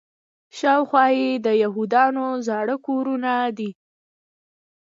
شاوخوا یې د یهودانو زاړه کورونه دي.